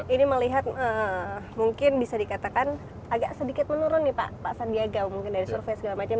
ini melihat mungkin bisa dikatakan agak sedikit menurun nih pak pak sandiaga mungkin dari survei segala macam